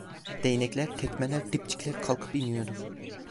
Değnekler, tekmeler, dipçikler kalkıp iniyordu.